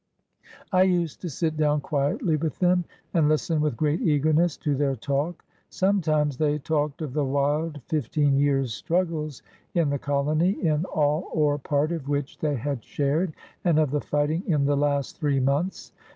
I used to sit down quietly with them and listen with great eagerness to their talk. Sometimes they talked of the wild fifteen years' struggles in the colony, in all or part of which they had shared, and of the fighting in the last three months.